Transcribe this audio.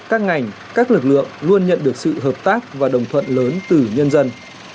các ngành các lực lượng luôn nhận được sự hợp tác và đồng thuận lớn từ nhân dân